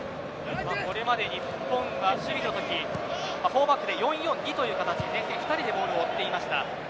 これまで日本は守備の時４バックで４−４−２という形で前線２人で回していました。